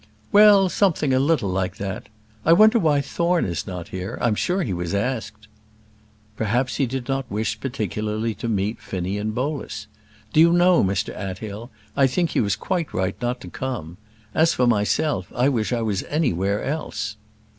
"Well, something a little like that. I wonder why Thorne is not here? I'm sure he was asked." "Perhaps he did not particularly wish to meet Finnie and Bolus. Do you know, Mr Athill, I think he was quite right not to come. As for myself, I wish I was anywhere else."